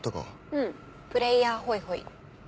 うん「プレーヤーホイホイ」。